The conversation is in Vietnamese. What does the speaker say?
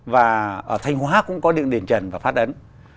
và ở thanh hóa cũng có những đền trần và phát ấn